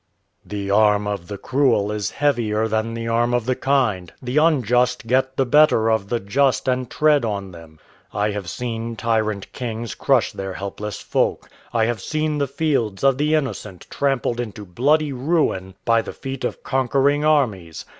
"The arm of the cruel is heavier than the arm of the kind. The unjust get the better of the just and tread on them. I have seen tyrant kings crush their helpless folk. I have seen the fields of the innocent trampled into bloody ruin by the feet of conquering armies.